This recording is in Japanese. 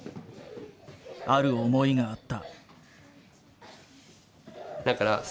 ある思いがあった。